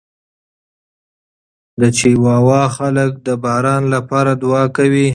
د چیواوا خلک د باران لپاره دعا کوي.